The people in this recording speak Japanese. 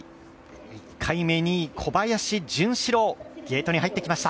１回目２位・小林潤志郎ゲートに入ってきました。